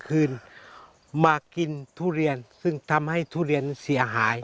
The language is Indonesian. kita makan durian yang membuat duriannya hilang